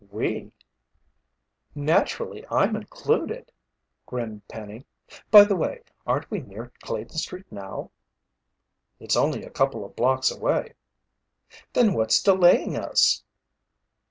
"We?" "Naturally I'm included," grinned Penny. "By the way, aren't we near Clayton street now?" "It's only a couple of blocks away." "Then what's delaying us?"